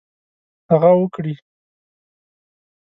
هغه وکړي.